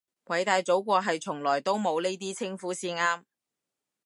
偉大祖國係從來都冇呢啲稱呼先啱